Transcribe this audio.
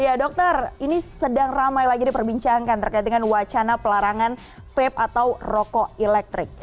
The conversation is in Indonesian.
ya dokter ini sedang ramai lagi diperbincangkan terkait dengan wacana pelarangan vape atau rokok elektrik